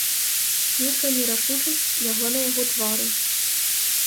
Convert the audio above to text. Нейкая нерашучасць лягла на яго твары.